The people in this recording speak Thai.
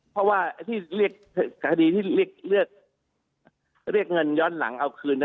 เพราะว่าที่เรียกคดีที่เรียกเงินย้อนหลังเอาคืน